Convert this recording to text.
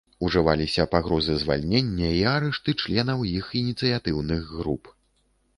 Ужываліся пагрозы звальнення і арышты членаў іх ініцыятыўных груп.